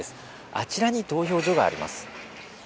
あちらに投票所があります。